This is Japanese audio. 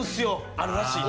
あるらしいな。